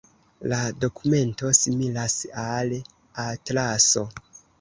La dokumento similas al atlaso.